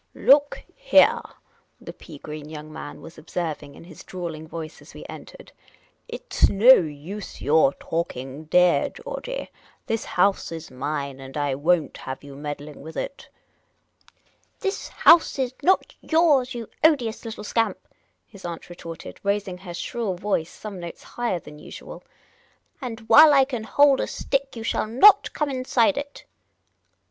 Look heah," the pea green young man was observing, in his drawling voice, as we entered ;" it 's no use your talking, deah Georgey. This house is mine, and I won't have you meddling with it." " This house is not yours, you odious little scamp," his aunt retorted, raising her shrill voice some notes higher than usual ;" and ' ile I can hold a stick you shall not come inside it."